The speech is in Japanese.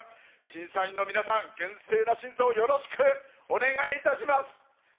審査員の皆さん厳正な審査をよろしくお願いいたします。